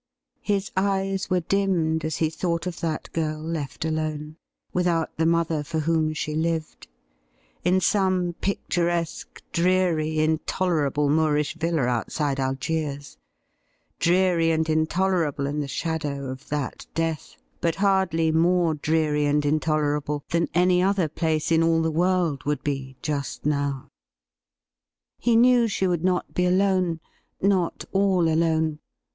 His eyes were dimned as he thought of that girl left alone — without the mother for whom she lived — in some picturesque, dreary, intoler able Moorish villa outside Algiers — dreary and intolerable in the shadow of that death, but hardly more dreary and 'THAT LADY IS NOT NOW LIVING' 149 intolerable than any other place in all the world would be just now. He knew she would not be alone — not all alone.